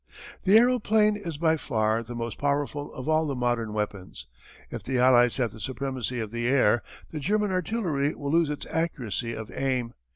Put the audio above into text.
"The aeroplane is by far the most powerful of all the modern weapons. If the Allies have the supremacy of the air the German artillery will lose its accuracy of aim.